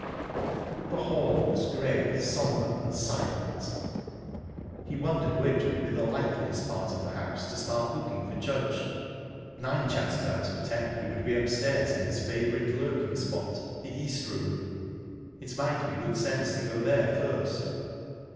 The hall was grey, sombre, and silent. He wondered which would be the likeliest part of the house to start looking for Judge...Nine chances out of ten, he would be upstairs in his favourite lurking spot the East Room. It might be good sense to go there first...